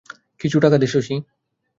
কিছু টাকা দে শশী।